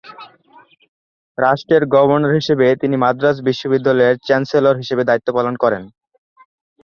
রাষ্ট্রের গভর্নর হিসেবে তিনি মাদ্রাজ বিশ্ববিদ্যালয়ের চ্যান্সেলর হিসেবে দায়িত্ব পালন করেন।